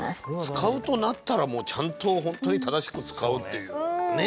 使うとなったらもうちゃんとホントに正しく使うっていうね